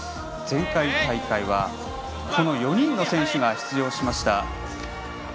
前回大会はこの４人の選手が出場しました。